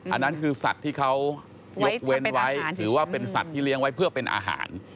อันนั้นคือสัตว์ที่เขายกเว้นไว้ถือว่าเป็นสัตว์ที่เลี้ยงไว้เพื่อเป็นอาหาร